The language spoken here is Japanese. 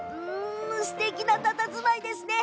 すてきなたたずまいですね。